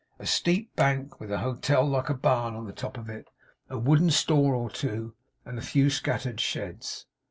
A steep bank with an hotel like a barn on the top of it; a wooden store or two; and a few scattered sheds.